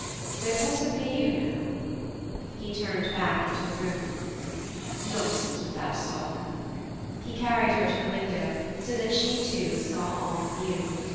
So possibly you know." He turned back into the room. "Nonsense with that sock." He carried her to the window, so that she, too, saw all the view.